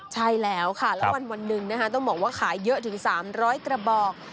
ใช่แล้วค่ะแล้ววันหนึ่งนะคะต้องบอกว่าขายเยอะถึง๓๐๐กระบอก